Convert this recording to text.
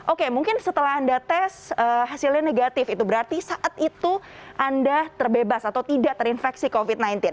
oke mungkin setelah anda tes hasilnya negatif itu berarti saat itu anda terbebas atau tidak terinfeksi covid sembilan belas